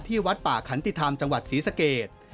วัดป่าขันติธรรมจังหวัดศรีสเกต